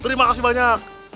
terima kasih banyak